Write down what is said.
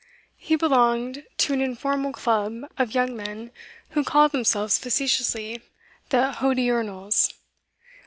He belonged to an informal club of young men who called themselves, facetiously, the Hodiernals.